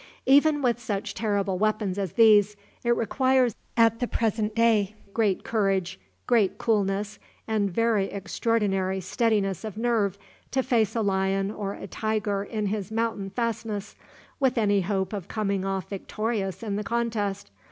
Even with such terrible weapons as these, it requires at the present day great courage, great coolness, and very extraordinary steadiness of nerve to face a lion or a tiger in his mountain fastness, with any hope of coming off victorious in the contest.